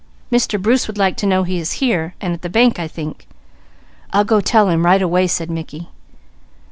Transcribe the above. Mr. Bruce would like to know he is here, and at the bank I think." "I'll go tell him right away," said Mickey.